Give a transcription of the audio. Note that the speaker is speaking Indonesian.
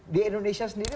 di indonesia sendiri